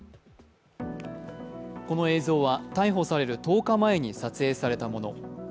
この映像は逮捕される１０日前に撮影されたもの。